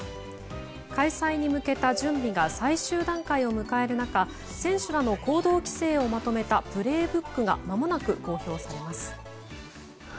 開催に向けた準備が最終段階を迎える中選手らの行動規制をまとめた「プレイブック」がまもなく公表されます。